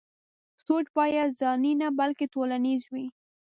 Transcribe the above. سوچ بايد ځاني نه بلکې ټولنيز وي.